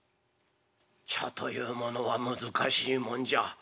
「茶というものは難しいもんじゃ。